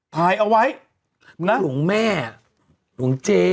ถ่ายเอาไว้หลวงแม่หลวงเจ